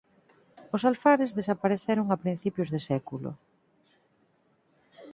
Os alfares desapareceron a principios de século.